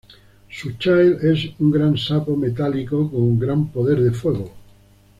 Su Child es un gran sapo metálico con un gran poder de fuego.